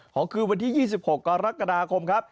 คืนวันที่๒๖กรกฎาคมครับ